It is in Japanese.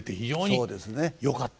そうですね。